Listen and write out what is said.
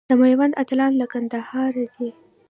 د میوند اتلان له کندهاره دي.